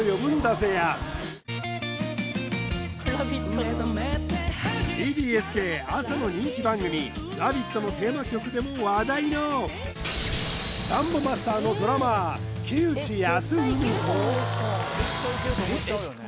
名曲やＴＢＳ系朝の人気番組「ラヴィット！」のテーマ曲でも話題のサンボマスターのドラマー木内泰史